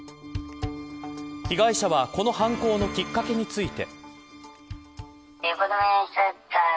被害者はこの犯行のきっかけについて。